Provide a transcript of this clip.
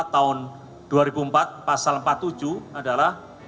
tiga puluh empat tahun dua ribu empat pasal empat puluh tujuh adalah